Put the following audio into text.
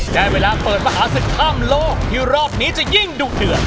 ได้เวลาเปิดประหารสิทธิ์ข้ามโลกที่รอบนี้จะยิ่งดุเดือน